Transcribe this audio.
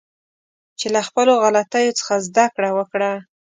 چې له خپلو غلطیو څخه زده کړه وکړه